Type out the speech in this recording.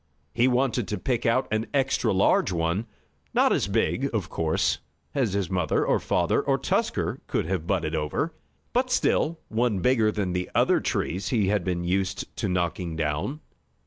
He wanted to pick out an extra large one; not as big, of course, as his mother or father or Tusker could have butted over, but still one bigger than the other trees he had been used to knocking down.